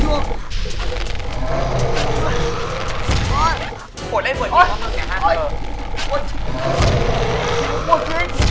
มูลสอนรักษ์ฝั่งใจ